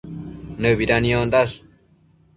Nëbida niondash